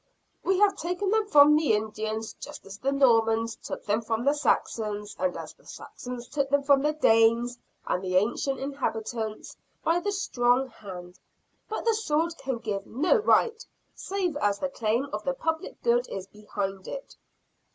We have taken them from the Indians, just as the Normans took them from the Saxons and as the Saxons took them from the Danes and the ancient inhabitants by the strong hand. But the sword can give no right save as the claim of the public good is behind it.